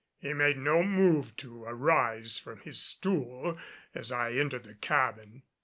He made no move to arise from his stool as I entered the cabin.